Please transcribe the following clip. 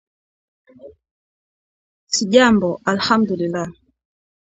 Sijambo alhamdulilah